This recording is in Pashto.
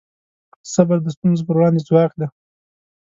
صبر د ستونزو پر وړاندې ځواک دی.